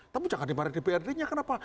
tapi jangan dimana dprd nya kenapa